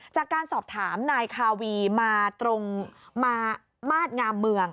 จากการสอบถามนายคาวีมาตรงมาตรงามเมือง